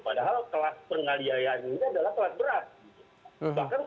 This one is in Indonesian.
padahal kelas pengaliayaannya adalah kelas berat